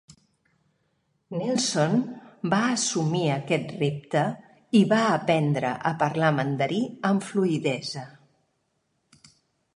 Nelson va assumir aquest repte i va aprendre a parlar mandarí amb fluïdesa.